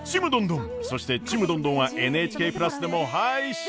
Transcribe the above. そして「ちむどんどん」は「ＮＨＫプラス」でも配信中！